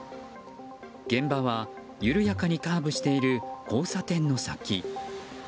現場は緩やかにカーブしている交差点の先。